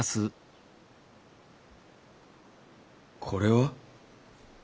これは？